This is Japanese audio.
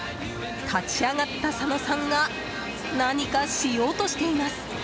立ち上がった佐野さんが何かしようとしています。